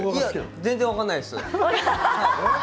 全然、分からないです。